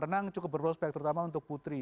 menang cukup berprospek terutama untuk putri